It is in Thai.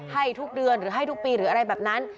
ให้ทุกเดือนหรือให้ทุกปีหรืออะไรแบบนั้น